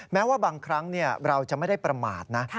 แม้ว่าบางครั้งเราจะไม่ได้ประมาทนะ